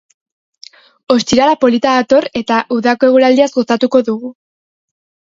Ostirala polita dator eta udako eguraldiaz gozatuko dugu.